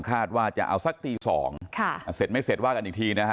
คาดว่าจะเอาสักตี๒เสร็จไม่เสร็จว่ากันอีกทีนะฮะ